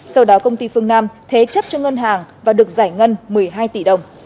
sau đó công ty phương nam thế chấp cho ngân hàng và được giải ngân một mươi hai tỷ đồng